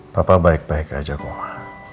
papa baik baik aja kok